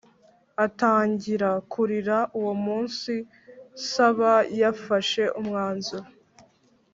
atangira kuririra Uwo munsi Saba yafashe umwanzuro